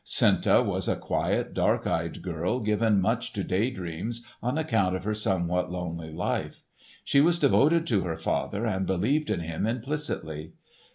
Senta was a quiet, dark eyed girl given much to day dreams on account of her somewhat lonely life. She was devoted to her father, and believed in him implicitly.